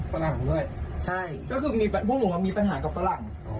ฝรั่งด้วยพวกหนูมันมีปัญหากับฝรั่งอ๋อ